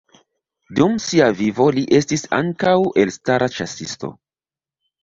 Dum sia vivo li estis ankaŭ elstara ĉasisto.